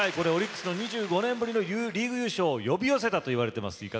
オリックスの２５年ぶりのリーグ優勝を呼び寄せたと言われています。